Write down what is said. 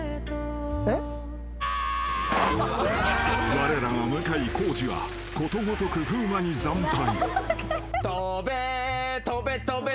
［われらが向井康二はことごとく風磨に惨敗］